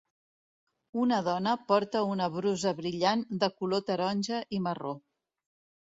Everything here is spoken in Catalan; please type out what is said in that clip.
Una dona porta una brusa brillant de color taronja i marró.